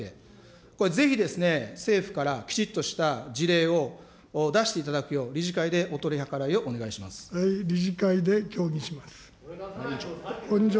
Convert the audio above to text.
これぜひ、政府からきちっとした事例を出していただくよう、理事理事会で協議します。